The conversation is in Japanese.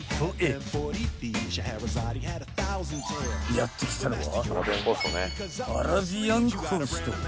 ［やって来たのは］